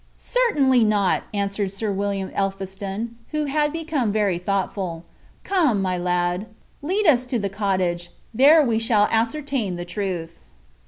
"Certainly not," answered Sir William Elphiston, who had become very thoughtful. "Come, my lad, lead us to the cottage. There we shall ascertain the truth."